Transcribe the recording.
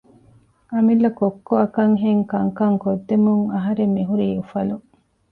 އަމިއްލަ ކޮއްކޮއަކަށްހެން ކަންކަން ކޮށްދެމުން އަހަރެން މިހުރީ އުފަލުން